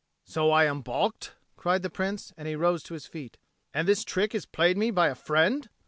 "So I am baulked?" cried the Prince, and he rose to his feet. "And this trick is played me by a friend!"